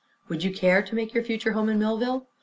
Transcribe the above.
"Would you care to make your future home in Millville?"